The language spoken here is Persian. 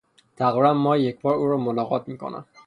تقریبا ماهی یک بار او را ملاقات میکنم.